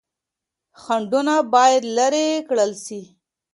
خنډونه بايد لري کړل سي.